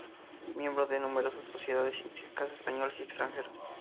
Miembro de numerosas sociedades científicas españolas y extranjeras.